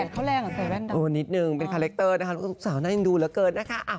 แบบนี้ไม่เที่ยวแล้วครับคนหนึ่ง